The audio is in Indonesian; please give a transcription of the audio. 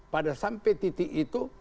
pada sampai titik itu